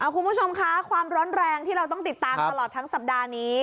คุณผู้ชมคะความร้อนแรงที่เราต้องติดตามตลอดทั้งสัปดาห์นี้